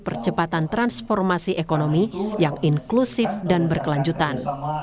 percepatan transformasi ekonomi yang inklusif dan berkelanjutan